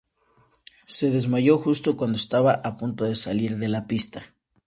Se desmayó justo cuando estaba a punto de salir de la pista.